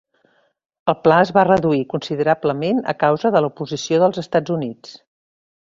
El pla es va reduir considerablement a causa de l'oposició dels Estats Units.